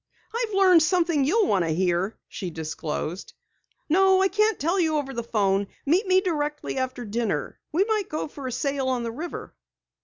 "I've learned something you'll want to hear," she disclosed. "No, I can't tell you over the 'phone. Meet me directly after dinner. We might go for a sail on the river."